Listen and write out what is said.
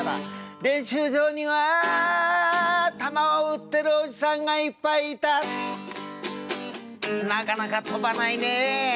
練習場には球を打ってるおじさんがいっぱいいた「なかなか飛ばないねえ。